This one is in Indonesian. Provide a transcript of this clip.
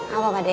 apa pak de